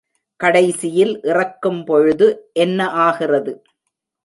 கடைசியில் இறக்கும்பொழுது என்ன ஆகிறது?